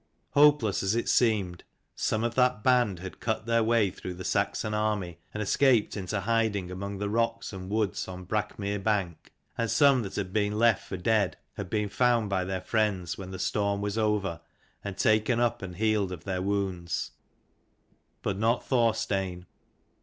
Hopeless as it seemed, some of that band had cut their way through the Saxon army and escaped into hiding among the rocks and woods on Brack mere bank: and some that had been left for dead had been found by their friends when the storm was over, and taken up and healed of their wounds. But not Thorstein.